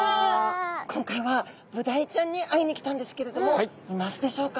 今回はブダイちゃんに会いに来たんですけれどもいますでしょうか？